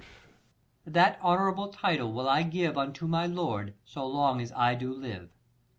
That honourable title will I give Unto my lord, so long as I do live.